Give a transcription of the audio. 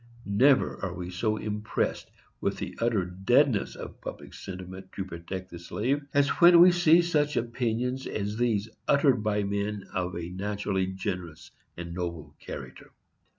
Never are we so impressed with the utter deadness of public sentiment to protect the slave, as when we see such opinions as these uttered by men of a naturally generous and noble character.